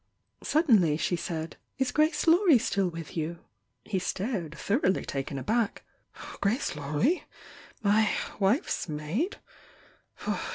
Suddenly she said: "Is Grace Laurie still with you?" He stared, thoroughly taken aback. "Grace Laurie? My wife's maid?